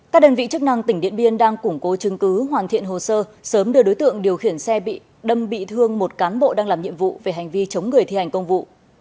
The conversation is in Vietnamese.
các đơn vị chức năng tỉnh điện biên đang củng cố chứng cứ hoàn thiện hồ sơ sớm đưa đối tượng điều khiển xe đâm bị thương một cán bộ đang làm nhiệm vụ về hành vi chống người thi hành công vụ